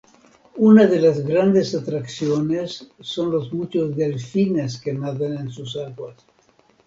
Una de las grandes atracciones son los muchos delfines que nadan en sus aguas.